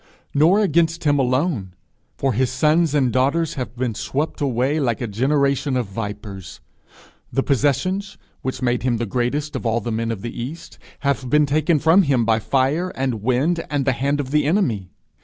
nor against him alone, for his sons and daughters have been swept away like a generation of vipers! The possessions, which made him the greatest of all the men of the east, have been taken from him by fire and wind and the hand of the enemy!